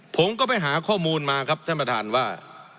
ผมก็ไปหาข้อมูลมาครับท่านประธานว่า